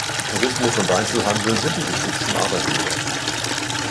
Tourismus und Einzelhandel sind die wichtigsten Arbeitgeber.